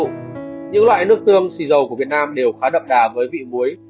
những loại nước tương xì dầu của việt nam đều khá đậm đà với vị muối